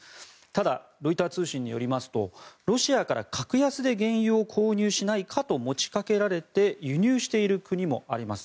ただ、ロイター通信によりますとロシアから格安で原油を購入しないかと持ちかけられて輸入している国もあります。